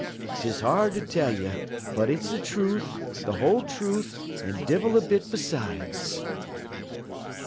'Tis hard to tell ye, but it's th' truth, th' whole truth, an' divil a bit besides.'